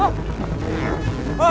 gak ada aturan